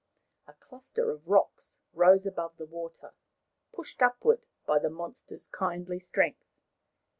A cluster of rocks rose above the water, pushed upward by the monster's kindly strength.